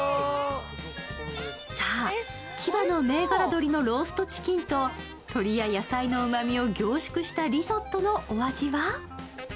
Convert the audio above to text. さぁ、千葉の銘柄鶏のローストチキンと鶏や野菜のうまみを凝縮したリゾットのお味は？